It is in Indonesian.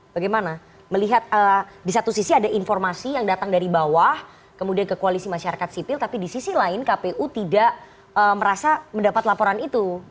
bagaimana melihat di satu sisi ada informasi yang datang dari bawah kemudian ke koalisi masyarakat sipil tapi di sisi lain kpu tidak merasa mendapat laporan itu